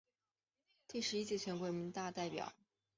第十一届全国人大代表。